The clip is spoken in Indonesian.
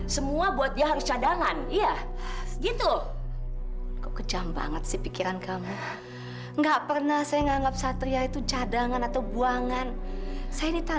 sampai jumpa di video selanjutnya